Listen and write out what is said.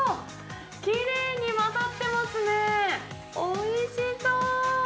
きれいに混ざってますね、おいしそう。